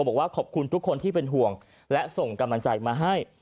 บอกว่าขอบคุณทุกคนที่เป็นห่วงและส่งกำลังใจมาให้